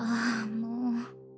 もう。